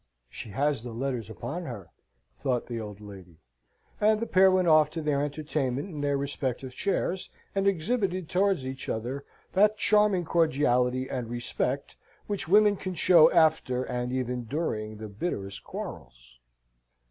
"She has the letters upon her," thought the old lady. And the pair went off to their entertainment in their respective chairs, and exhibited towards each other that charming cordiality and respect which women can show after, and even during, the bitterest quarrels.